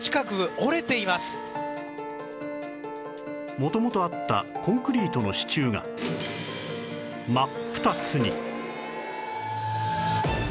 元々あったコンクリートの支柱が真っ二つに